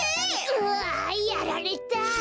うわやられた！